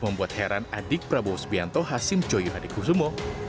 membuat heran adik prabowo sbianto hasim coyuhadekusumo